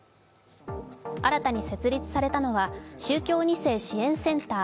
新たに設立されたのは宗教２世支援センター